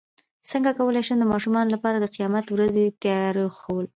څنګه کولی شم د ماشومانو لپاره د قیامت د ورځې تیاري ښوول